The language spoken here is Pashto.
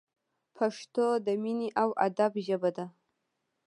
پښتو د مینې او ادب ژبه ده!